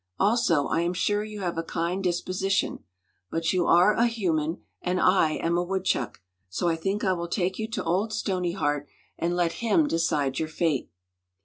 Also I am sure you have a kind disposition. But you are a human, and I am a woodchuck; so I think I will take you to old Stoneyheart and let him decide your fate."